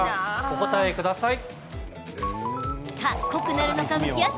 お答えください。